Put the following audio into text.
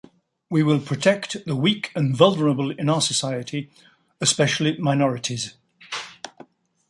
We will protect the weak and vulnerable in our society, especially minorities.